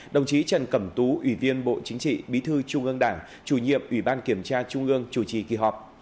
đồng chí trần cẩm tú ủy viên bộ chính trị bí thư trung ương đảng chủ nhiệm ủy ban kiểm tra trung ương chủ trì kỳ họp